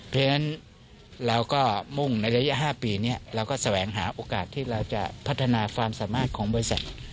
เพราะฉะนั้นเราก็มุ่งในระยะ๕ปีนี้เราก็แสวงหาโอกาสที่เราจะพัฒนาความสามารถของบริษัท